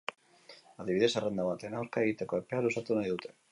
Adibidez, zerrenda baten aurka egiteko epea luzatu nahi dute.